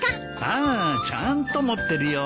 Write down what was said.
ああちゃんと持ってるよ。